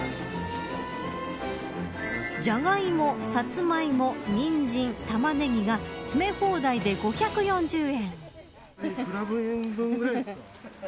ジャガイモ、サツマイモニンジン、タマネギが詰め放題で５４０円。